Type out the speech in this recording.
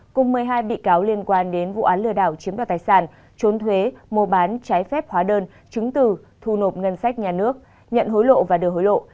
cùng một mươi hai bị cáo liên quan đến vụ án lừa đảo chiếm đoạt tài sản trốn thuế mua bán trái phép hóa đơn chứng từ thu nộp ngân sách nhà nước nhận hối lộ và đưa hối lộ